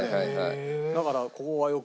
だからここはよく。